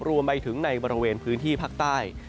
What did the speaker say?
รวมไปถึงในบริเวณพื้นที่ภาคใต้